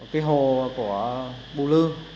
cái hồ của bù lư